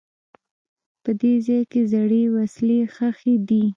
په دې ځای کې زړې وسلې ښخي دي.